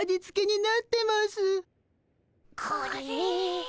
これ。